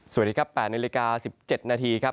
สวัสดีครับ๘นาฬิกา๑๗นาทีครับ